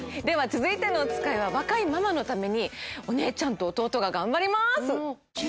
では続いてのおつかいは若いママのためにお姉ちゃんと弟が頑張ります。